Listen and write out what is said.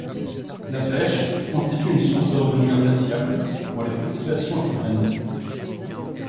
La pêche constitue une source de revenus appréciable pour les populations riveraines.